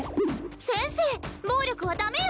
先生暴力は駄目よ。